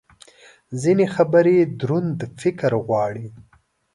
ځینې خبرې دروند فکر غواړي.